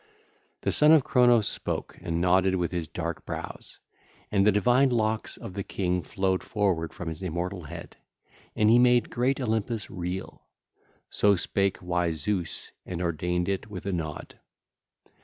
(ll. 13 16) The Son of Cronos spoke and nodded with his dark brows. And the divine locks of the king flowed forward from his immortal head, and he made great Olympus reel. So spake wise Zeus and ordained it with a nod.